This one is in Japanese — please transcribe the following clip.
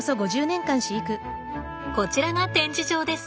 こちらが展示場です。